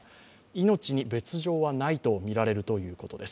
命に別状はないとみられるということです。